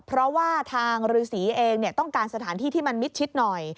เพราะว่าทางฤษีเองต้องการสถานที่ที่มันมิดชิดหน่อย